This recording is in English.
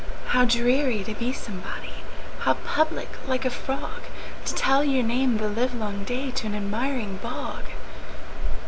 How dreary to be somebody! How public, like a frogTo tell your name the livelong dayTo an admiring bog!